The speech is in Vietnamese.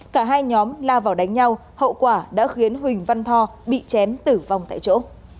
cả hai nhóm lao vào đánh nhau hậu quả đã khiến huỳnh văn tho bị chém tử vong tại chỗ